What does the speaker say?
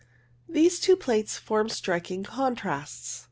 These two plates form striking contrasts.